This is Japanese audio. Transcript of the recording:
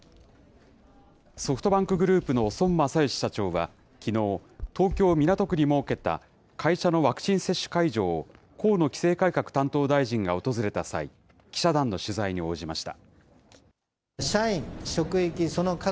ソフトバンクグループの孫正義社長はきのう、東京・港区に設けた会社のワクチン接種会場を河野規制改革担当大臣が訪れた際、記者団の取材に応じました。